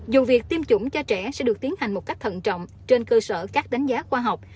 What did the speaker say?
dù việc tiêm chủng cho trẻ sẽ được tiến hành một cách thận trọng trên cơ sở các đánh giá khoa học